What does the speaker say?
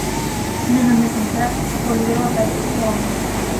Nada máis entrar, volveu aparece-lo home.